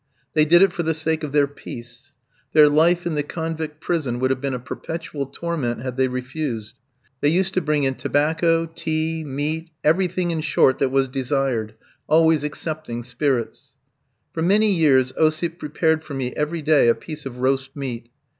They did it for the sake of their peace; their life in the convict prison would have been a perpetual torment had they refused. They used to bring in tobacco, tea, meat everything, in short, that was desired, always excepting spirits. For many years Osip prepared for me every day a piece of roast meat.